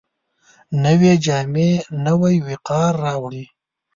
نوې جامې نوی وقار راوړي